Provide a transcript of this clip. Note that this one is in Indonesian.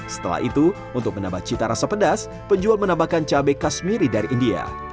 setelah itu untuk menambah cita rasa pedas penjual menambahkan cabai kasmiri dari india